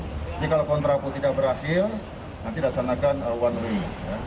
jadi kalau kontra pro tidak berhasil nanti dilaksanakan one way